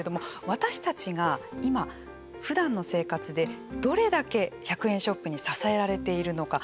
私たちが今、ふだんの生活でどれだけ１００円ショップに支えられているのか